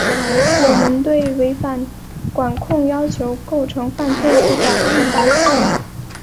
我们对违反管控要求构成犯罪不搞‘一刀切’